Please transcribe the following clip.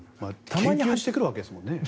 研究してくるわけですもんね。